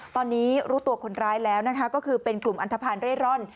ตอนนี้รู้ตัวคนร้ายแล้วนะคะก็คือเป็นกลุ่มอันทภัณฑ์เร่ร่อน